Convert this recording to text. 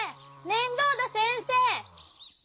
面倒田先生！